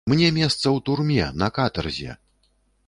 Мне месца ў турме, на катарзе.